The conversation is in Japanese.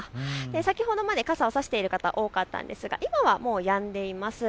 先ほどまで傘を差している方、多かったんですが今はもうやんでいます。